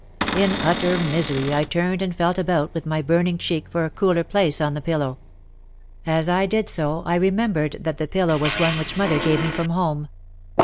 In utter misery I turned and felt about with my burning cheek for a cooler place on the pillow. As I did so I re 8o OUT OF THE SHADOW membered that the pillow was one which mother gave me from home.